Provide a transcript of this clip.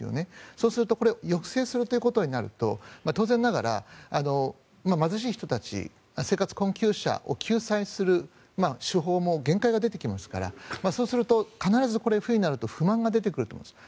そうすると抑制するということになると当然ながら、貧しい人たち生活困窮者を救済する手法も限界が出てきますからそうしますと必ず冬になると不満が出てくると思います。